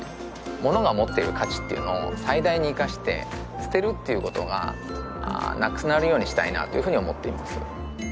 物が持っている価値っていうのを最大に生かして捨てるっていうことがなくなるようにしたいなというふうに思っています